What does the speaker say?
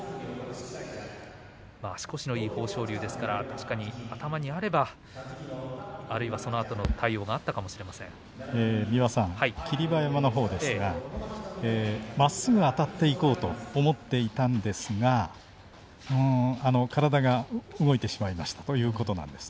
足腰のいい豊昇龍ですから頭にあれば、あるいはそのあとの対応が霧馬山のほうですがまっすぐあたっていこうと思っていたんですが体が動いてしまいましたということです。